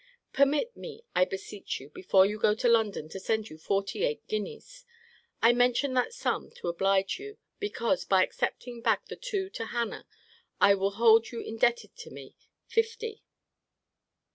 Permit me, I beseech you, before you go to London to send you forty eight guineas. I mention that sum to oblige you, because, by accepting back the two to Hannah, I will hold you indebted to me fifty.